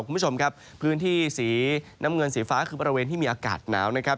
คุณผู้ชมครับพื้นที่สีน้ำเงินสีฟ้าคือบริเวณที่มีอากาศหนาวนะครับ